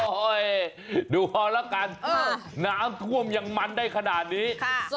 โอ้ยดูพอแล้วกันน้ำท่วมยังมันได้ขนาดนี้